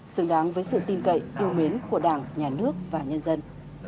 xứng đáng với sự tin cậy yêu mến của đảng nhà nước và nhân dân